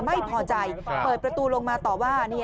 ไม่พอใจเปิดประตูลงมาต่อว่า